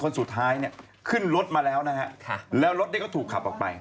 คนสุดท้ายเนี่ยขึ้นรถมาแล้วนะฮะแล้วรถเนี่ยก็ถูกขับออกไป